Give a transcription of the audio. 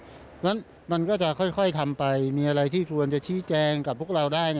เพราะฉะนั้นมันก็จะค่อยทำไปมีอะไรที่ควรจะชี้แจงกับพวกเราได้